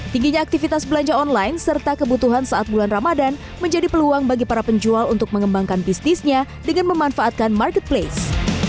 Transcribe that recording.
tingginya aktivitas belanja online serta kebutuhan saat bulan ramadan menjadi peluang bagi para penjual untuk mengembangkan bisnisnya dengan memanfaatkan marketplace